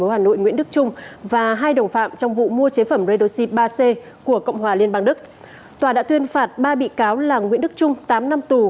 hãy đăng ký kênh để nhận thông tin nhất